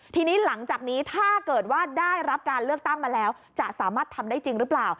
ทีนี้หลังจากนี้ถ้าเกิดว่าได้รับการเลือกตั้งมาแล้วจะสามารถทำได้จริงหรือเปล่า